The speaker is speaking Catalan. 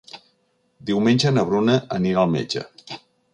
Diumenge na Bruna anirà al metge.